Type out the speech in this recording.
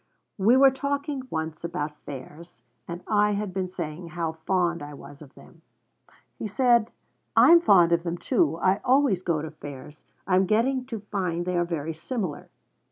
We were talking once about fairs, and I had been saying how fond I was of them. He said: 'I am fond of them, too. I always go to fairs. I am getting to find they are very similar.'